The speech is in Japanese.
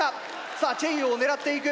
さあチェイヨーを狙っていく。